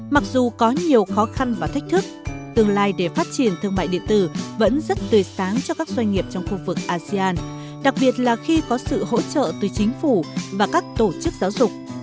mặc dù có nhiều khó khăn và thách thức tương lai để phát triển thương mại điện tử vẫn rất tươi sáng cho các doanh nghiệp trong khu vực asean đặc biệt là khi có sự hỗ trợ từ chính phủ và các tổ chức giáo dục